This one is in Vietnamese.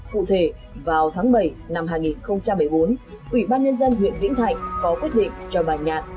cụ thể vào tháng bảy năm hai nghìn một mươi bốn ủy ban nhân dân huyện vĩnh thạnh có quyết định cho bà nhạt